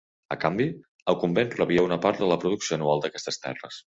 A canvi, el convent rebia una part de la producció anual d'aquestes terres.